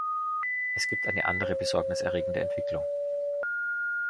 Es gibt eine andere besorgniserregende Entwicklung.